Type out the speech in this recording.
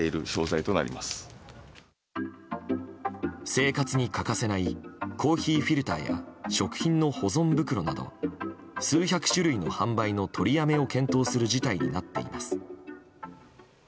生活に欠かせないコーヒーフィルターや食品の保存袋など数百種類の販売の取りやめを検討する事態になっています。